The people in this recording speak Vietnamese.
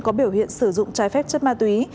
có biểu hiện sử dụng trái phép chất ma túy